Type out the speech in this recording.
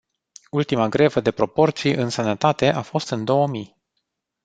Ultima grevă de proporții, în sănătate, a fost în două mii.